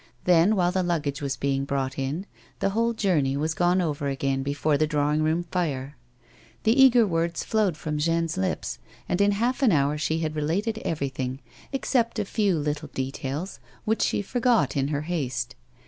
Then, while the luggage was being brought in, the whole journey was gone over again before the drawing room fire. The eager words flowed from Jeanne's lips, and in half an hour she had related everything, except a few little details which she forgot in her haste.